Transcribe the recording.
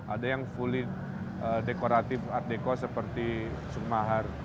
ada yang fully dekoratif art deko seperti sumahar